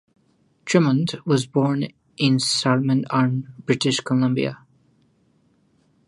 Drummond was born in Salmon Arm, British Columbia.